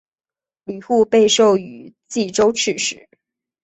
吕护被授予冀州刺史。